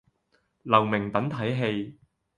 留名等睇戲